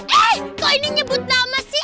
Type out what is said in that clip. eh kok ini nyebut nama sih